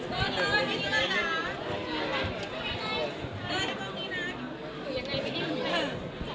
ศิลปิตเยอะใครขึ้นเลยลงขึ้น